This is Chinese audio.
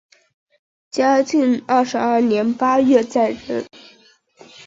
嘉庆二十二年八月再任。